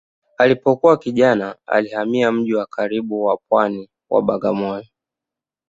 Alipokuwa kijana alihamia mji wa karibu wa pwani wa Bagamoyo.